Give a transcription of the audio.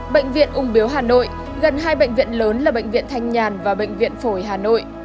bệnh viện ung biếu hà nội gần hai bệnh viện lớn là bệnh viện thanh nhàn và bệnh viện phổi hà nội